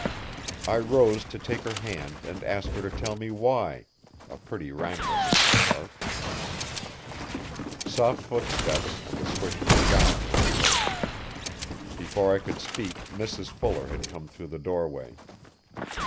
I rose to take her hand and ask her to tell me why, a pretty rankling in my heart, Soft footsteps and the swish of a gown were approaching. Before I could speak Mrs Fuller had come through the doorway.